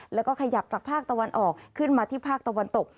แล้วก็ขยับจากภาคตะวันออกขึ้นมาที่ภาคตะวันตก